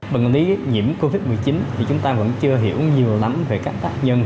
bệnh lý nhiễm covid một mươi chín thì chúng ta vẫn chưa hiểu nhiều lắm về các tác nhân